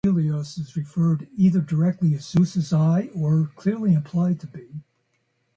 Helios is referred either directly as Zeus' eye, or clearly implied to be.